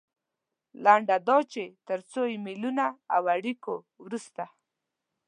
لنډه دا چې تر څو ایمیلونو او اړیکو وروسته.